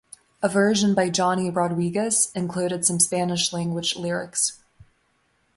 A version by Johnny Rodriguez included some Spanish language lyrics.